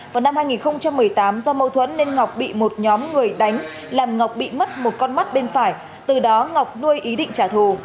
vào năm hai nghìn một mươi tám do mâu thuẫn nên ngọc bị một nhóm người đánh làm ngọc bị mất một con mắt bên phải từ đó ngọc nuôi ý định trả thù